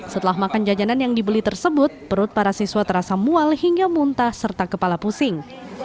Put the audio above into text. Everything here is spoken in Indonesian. setelah makan jajanan yang dibeli tersebut perut para siswa terasa mual hingga muntah serta kepala pusing